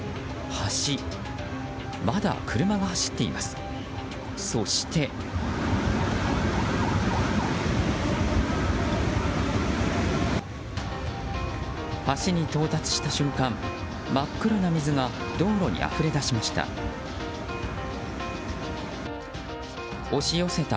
橋に到達した瞬間真っ黒な水が道路にあふれ出しました。